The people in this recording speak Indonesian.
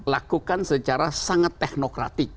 lakukan secara sangat teknokratik